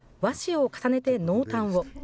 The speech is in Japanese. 焼き色は和紙を重ねて濃淡を。